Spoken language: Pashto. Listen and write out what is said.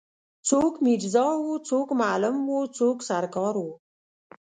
څوک میرزا وو څوک معلم وو څوک سر کار وو.